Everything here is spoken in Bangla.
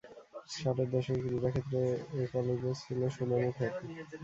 ষাটের দশকে ক্রীড়া ক্ষেত্রে এ কলেজের ছিল সুনাম ও খ্যাতি।